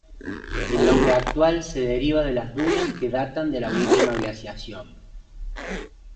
El nombre actual se deriva de las dunas que datan de la última glaciación.